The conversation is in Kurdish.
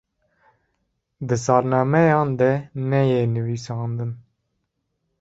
di salnemeyan de neyê nivisandin